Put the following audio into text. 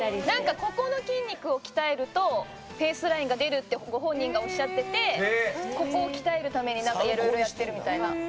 なんかここの筋肉を鍛えるとフェースラインが出るってご本人がおっしゃっててここを鍛えるためになんかいろいろやってるみたいな。